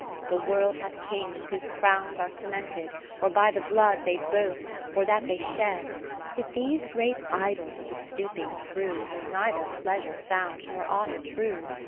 The world hath Kings whose crowns are cemented. Or by the blood they boast, or that they shed : Yet these great idols of the stooping crew Have neither pleasure sound, nor honour true.